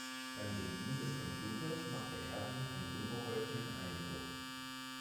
Beim Bedienen des Computers machte Erwin einen unbeholfenen Eindruck.